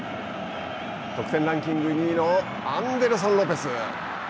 得点ランキング２位のアンデルソン・ロペス。